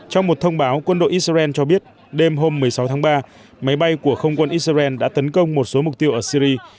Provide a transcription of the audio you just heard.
trong một thông báo quân đội israel cho biết đêm hôm một mươi sáu tháng ba máy bay của không quân israel đã tấn công một số mục tiêu ở syri